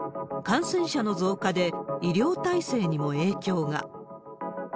感染者の増加で、医療体制にも影響が。